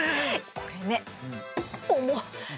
これね重っ！